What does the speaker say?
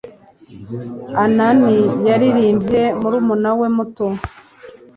Ann yaririmbye murumuna we muto.